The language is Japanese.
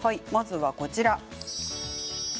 まずはこちら。